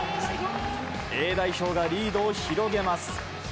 Ａ代表がリードを広げます。